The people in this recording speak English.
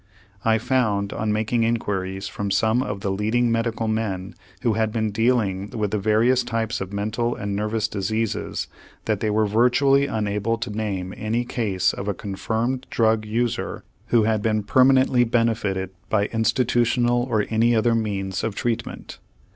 I found, on making inquiries from some of the leading medical men who had been dealing with the various types of mental and nervous diseases, that they were virtually unable to name any case of a confirmed drug user who had been permanently benefited by institutional or any other means of treatment.